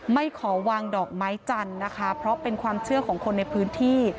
ไม่ขอวางดอกไม้จันทร์นะคะเพราะเป็นความเชื่อของคนในพื้นที่